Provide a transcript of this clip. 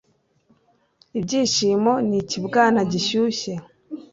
ibyishimo ni ikibwana gishyushye